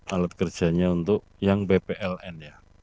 alat kerjanya untuk yang ppln ya